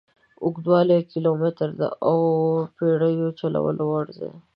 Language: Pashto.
اوږدوالی یې کیلومتره دي او د بېړیو چلولو وړ دي.